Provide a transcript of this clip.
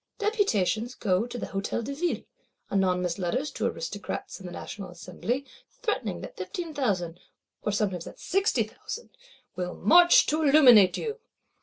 Deputations go to the Hôtel de Ville; anonymous Letters to Aristocrats in the National Assembly, threatening that fifteen thousand, or sometimes that sixty thousand, "will march to illuminate you."